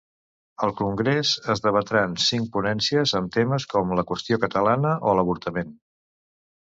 Al congrés es debatran cinc ponències, amb temes com la qüestió catalana o l'avortament.